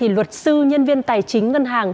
luật sư nhân viên tài chính ngân hàng